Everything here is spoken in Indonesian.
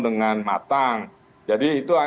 dengan matang jadi itu